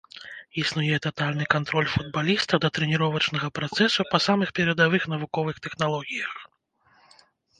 Існуе татальны кантроль футбаліста да трэніровачнага працэсу па самых перадавых навуковых тэхналогіях.